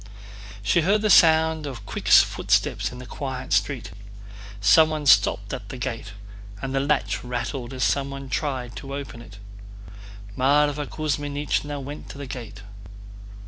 She heard the sound of quick footsteps in the quiet street. Someone stopped at the gate, and the latch rattled as someone tried to open it. Mávra Kuzmínichna went to the gate.